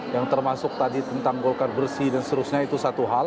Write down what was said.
yang termasuk tadi tentang golkar bersih dan seterusnya itu satu hal